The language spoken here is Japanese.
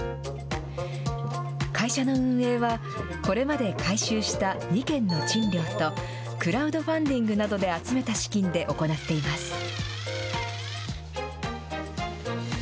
会社の運営は、これまで改修した２軒の賃料と、クラウドファンディングなどで集めた資金で行っています。